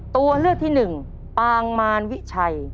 ตัวเลือกที่หนึ่งปางมารวิชัย